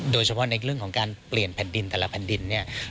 โดยเฉพาะในเรื่องของการเปลี่ยนแผ่นดินแต่ละแผ่นดินเนี่ย